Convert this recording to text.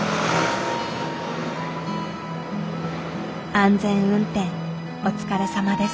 安全運転お疲れさまです。